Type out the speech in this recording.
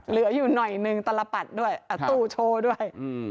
เหลืออยู่หน่อยหนึ่งตลปัดด้วยตู้โชว์ด้วย